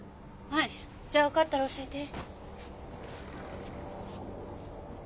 はい。じゃあ分かったら教えて。